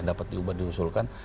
dapat diubah diusulkan